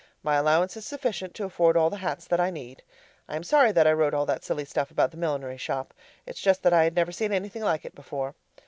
My allowance is sufficient to afford all of the hats that I need. I am sorry that I wrote all that silly stuff about the millinery shop; it's just that I had never seen anything like it before.